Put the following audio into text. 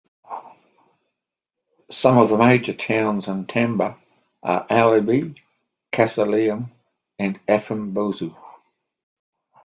Some of the major towns in Tchamba are Alibi, Kasaleym and Affem Boussou.